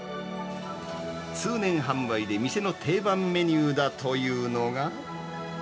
通年販売で店の定番メニューだというのが。